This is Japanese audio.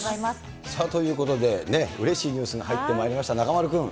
ということで、うれしいニュースが入ってまいりました、中丸君。